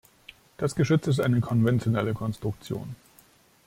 Das Geschütz ist eine konventionelle Konstruktion.